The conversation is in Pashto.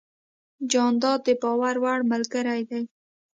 جانداد د باور وړ ملګری دی.